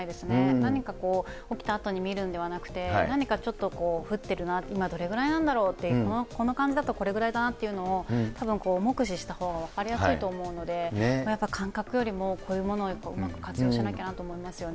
何か起きたあとに見るんではなくて、何かちょっと、降ってるな、今どれぐらいなんだろうという、この感じだとこれぐらいだなっていうのをたぶん、目視したほうが分かりやすいと思うので、やっぱ感覚よりも、こういうものを活用しなきゃなと思いますね。